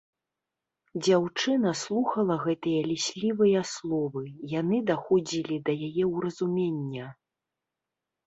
Дзяўчына слухала гэтыя ліслівыя словы, яны даходзілі да яе ўразумення.